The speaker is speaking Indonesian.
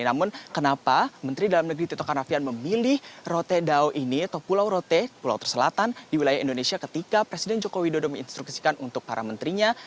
namun kenapa menteri dalam negeri tito karnavian memilih rote dao ini atau pulau rote pulau terselatan di wilayah indonesia ketika presiden joko widodo menginstruksikan untuk para menterinya